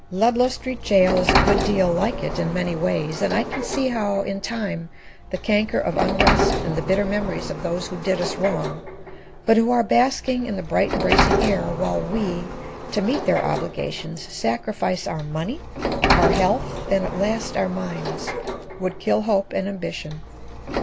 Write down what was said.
Ludlow Street Jail is a good deal like it in many ways, and I can see how in time the canker of unrest and the bitter memories of those who did us wrong but who are basking in the bright and bracing air, while we, to meet their obligations, sacrifice our money, our health and at last our minds, would kill hope and ambition.